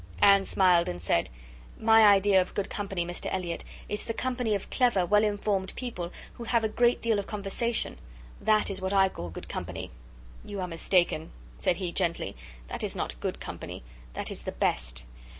Anne smiled and said, "My idea of good company, Mr Elliot, is the company of clever, well informed people, who have a great deal of conversation; that is what I call good company." "You are mistaken," said he gently, "that is not good company; that is the best.